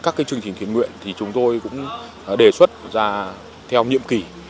các chương trình thuyền nguyện thì chúng tôi cũng đề xuất ra theo nhiệm kỳ